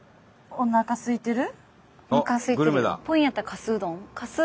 おなかすいてる。